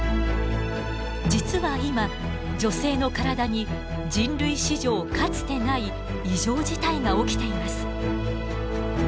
実は今女性の体に人類史上かつてない異常事態が起きています。